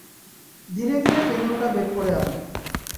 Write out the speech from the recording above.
ধীরে ধীরে টেনে ওটা বের করে আনো।